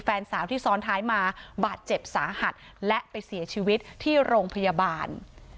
แฟนสาวที่ซ้อนท้ายมาบาดเจ็บสาหัสและไปเสียชีวิตที่โรงพยาบาล